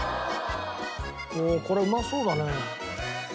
おおこれうまそうだね。